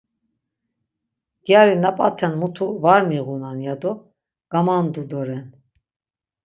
Gyari na-p̌aten mutu var miğunan' ya do gamandu doren.